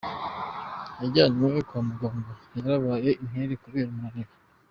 Yajyanywe kwa muganga yarabaye intere kubera umunaniro.